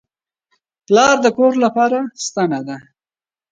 پلار د کور لپاره ستنه ده.